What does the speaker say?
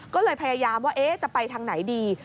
ก็เลยพยายามว่าจะไปทางไหนดี